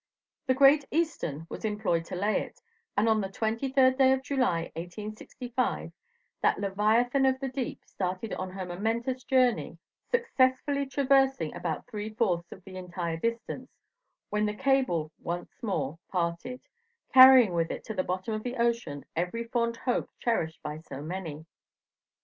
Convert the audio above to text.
The Great Eastern was employed to lay it, and on the 23rd day of July, 1865, that leviathan of the deep, started on her momentous journey, successfully traversing about three fourths of the entire distance, when the cable once more parted, carrying with it to the bottom of the ocean every fond hope cherished by so many.